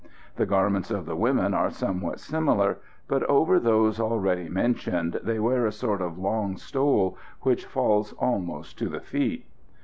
The garments of the women are somewhat similar, but over those already mentioned they wear a sort of long stole which falls almost to the feet.